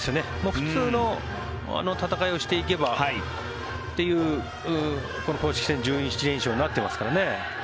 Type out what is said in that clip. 普通の戦いをしていけばっていうこの公式戦１１連勝になっていますからね。